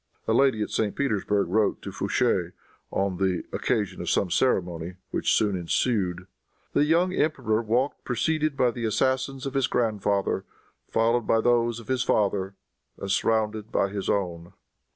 A lady at St. Petersburg wrote to Fouché on the occasion of some ceremony which soon ensued, "The young emperor walked preceded by the assassins of his grandfather, followed by those of his father, and surrounded by his own."